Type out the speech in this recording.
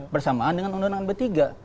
bersamaan dengan undang undang md tiga